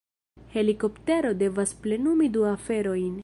Helikoptero devas plenumi du aferojn.